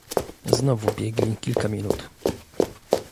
"Znowu biegli kilka minut."